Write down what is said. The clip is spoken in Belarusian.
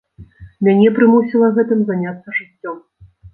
Мяне прымусіла гэтым заняцца жыццё.